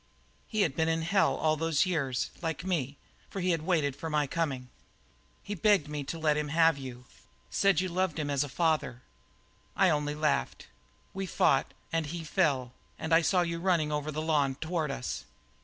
He had been in hell all those years, like me, for he had waited for my coming. He begged me to let him have you; said you loved him as a father; I only laughed. So we fought, and he fell; and then I saw you running over the lawn toward us.